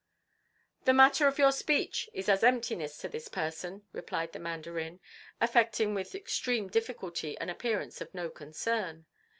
"The matter of your speech is as emptiness to this person," replied the Mandarin, affecting with extreme difficulty an appearance of no concern.